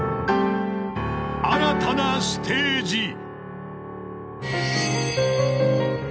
［新たなステージ］